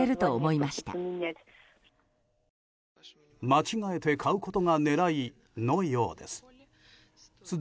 間違えて買うことが狙いのようです。